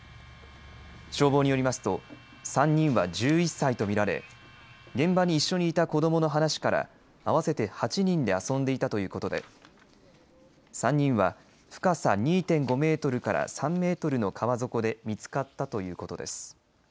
消防によりますと３人は１１歳と見られ現場に一緒にいた子どもの話から合わせて８人で遊んでいたということで３人は深さ２．５メートルから３メートルの川底で見つかったということです。